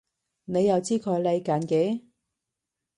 你又知佢嚟緊嘅？